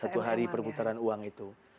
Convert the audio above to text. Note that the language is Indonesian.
satu hari perputaran uang itu